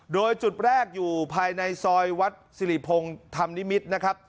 โดยจุดแรกอยู่ภายในซอยวัดสิริพงศ์ธรรมนิมิตรนะครับ